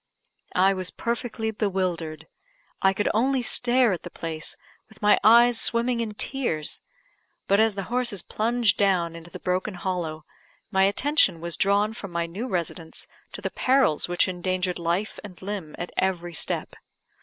I was perfectly bewildered I could only stare at the place, with my eyes swimming in tears; but as the horses plunged down into the broken hollow, my attention was drawn from my new residence to the perils which endangered life and limb at every step.